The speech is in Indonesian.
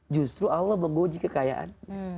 justru allah menguji kekayaan